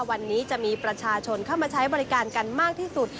วันนี้จะมีประชาชนเข้ามาใช้บริการกันมากที่สุด